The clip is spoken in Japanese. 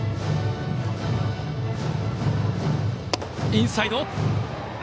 インサイド。